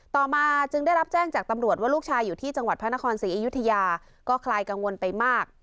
ต่อมาจึงได้รับแจ้งจากตำรวจว่าลูกชายอยู่ที่จังหวัดพระนครศรีอยุธยาก็คลายกังวลไปมาก